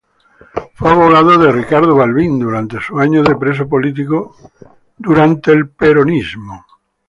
Fue abogado de Ricardo Balbín durante sus años de preso político durante el peronismo.